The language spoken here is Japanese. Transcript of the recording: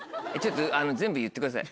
全部言ってください。